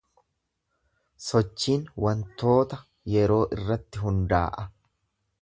Sochiin wantoota yeroo irratti hundaa’a.